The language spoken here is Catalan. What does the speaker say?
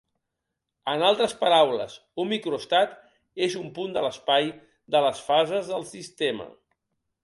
En altres paraules, un microestat és un punt de l’espai de les fases del sistema.